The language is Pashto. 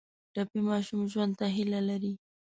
ټپي ماشوم ژوند ته هیله لري.